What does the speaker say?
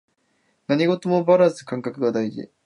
何事もバランス感覚が大事